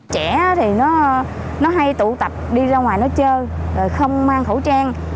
trẻ thì nó hay tụ tập đi ra ngoài nó chơi rồi không mang khẩu trang